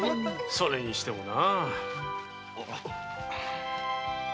それにしてもな。